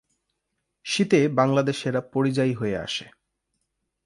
শীতে বাংলাদেশে এরা পরিযায়ী হয়ে আসে।